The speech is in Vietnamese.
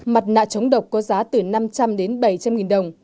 mặt nạ chống độc có giá từ năm trăm linh đến bảy trăm linh nghìn đồng